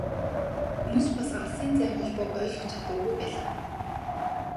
Хүмүүс бас алсын зайн холбоог ойлгох чадваргүй байлаа.